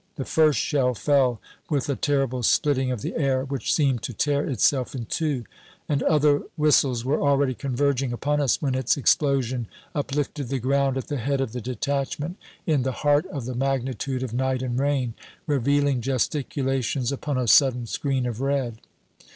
The first shell fell with a terrible splitting of the air, which seemed to tear itself in two; and other whistles were already converging upon us when its explosion uplifted the ground at the head of the detachment in the heart of the magnitude of night and rain, revealing gesticulations upon a sudden screen of red.